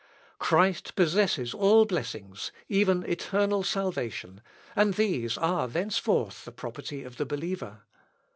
Christ possesses all blessings, even eternal salvation, and these are thenceforth the property of the believer.